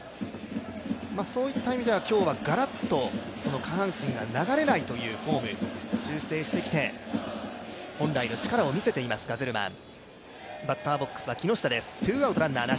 そういった意味では今日はガラッと下半身が流れないというフォーム修正してきて、本来の力をみせています、ガゼルマン。